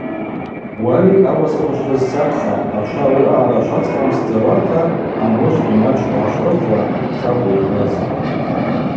Уалей,–ауасаква шврызсакъха, ачва ауи аъара швацкӏламсдзауата, амлышвгьи мачӏкӏ йгӏашврыхъла,–шакӏву йхӏваз.